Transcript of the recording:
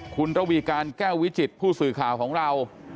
คุณระวีการแก้ววิจิตผู้สื่อข่าวของเรา